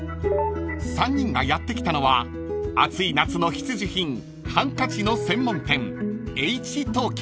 ［３人がやって来たのは暑い夏の必需品ハンカチの専門店］